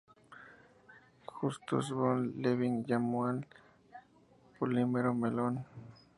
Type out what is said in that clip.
Justus von Liebig llamó al polímero "melón".